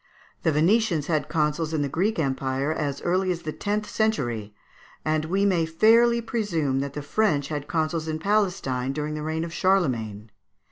The Venetians had consuls in the Greek empire as early as the tenth century, and we may fairly presume that the French had consuls in Palestine during the reign of Charlemagne.